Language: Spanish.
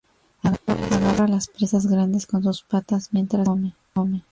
Agarra las presas grandes con sus patas mientras se las come.